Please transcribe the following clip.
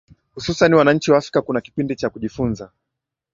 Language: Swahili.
hususan kwa nchi za afrika kuna kipi cha kujifunza